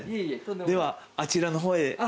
ではあちらの方へ。